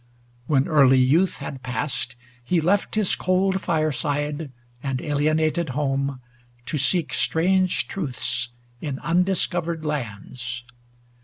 When early youth had passed, he left His cold fireside and alienated home To seek strange truths in undiscovered lands.